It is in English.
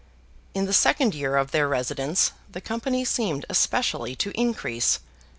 In the second year of their residence, the company seemed especially to increase.